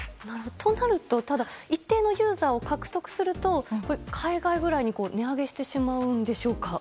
となると一定のユーザーを獲得すると海外ぐらいに値上げしてしまうんでしょうか。